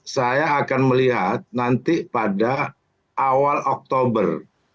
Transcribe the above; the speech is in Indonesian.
saya akan melihat nanti pada awal oktober